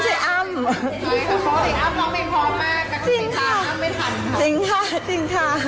จริงค่ะ